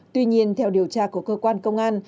tuy nhiên theo điều tra của cơ quan công an